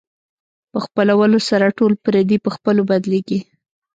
په خپلولو سره ټول پردي په خپلو بدلېږي.